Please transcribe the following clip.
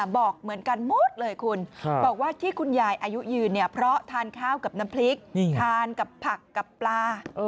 บอกว่าที่คุณยายอายุยืนเนี่ยเพราะทานข้าวกับน้ำพริกทานกับผักกับปลา